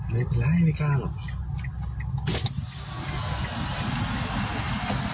ไม่เป็นไรไม่กล้าหรอก